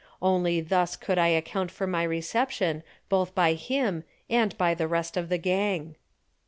Only thus could I account for my reception both by him and by the rest of the gang.